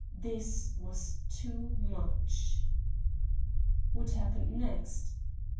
This was too much... What happened next?...